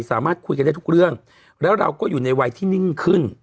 สามารถคุยกันได้ทุกเรื่องแล้วเราก็อยู่ในวัยที่นิ่งขึ้น